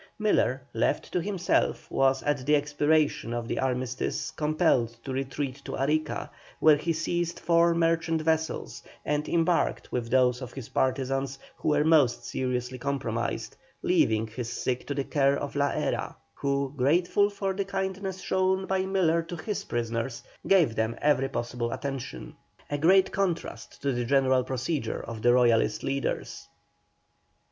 Miller, left to himself, was at the expiration of the armistice compelled to retreat to Arica, where he seized four merchant vessels and embarked with those of his partisans who were most seriously compromised, leaving his sick to the care of La Hera, who, grateful for kindness shown by Miller to his prisoners, gave them every possible attention. A great contrast to the general procedure of the Royalist leaders.